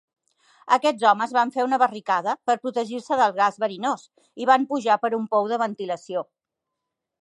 Aquests homes van fer una barricada per protegir-se del gas verinós i van pujar per un pou de ventilació.